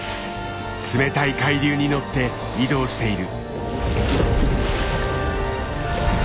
冷たい海流に乗って移動している。